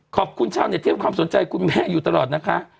ขอบคุณชาวเน็ตที่ให้ความสนใจคุณแม่อยู่ตลอดนะคะ